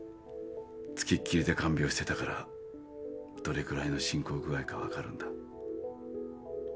付きっきりで看病してたからどれぐらいの進行具合か分かるんだ。